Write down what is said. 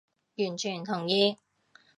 完全同意